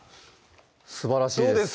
すばらしいです